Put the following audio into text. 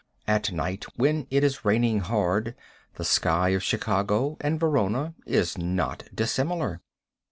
At night, when it is raining hard, the sky of Chicago and Verona is not dissimilar.